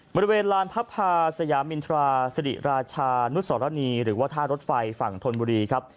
บริเวณลานพระพาสยามินทราศรีราชานุสรณีหรือว่าท่ารถไฟฝั่งธนบุรีครับ